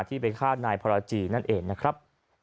ไปฆ่านายพรจีนั่นเองนะครับ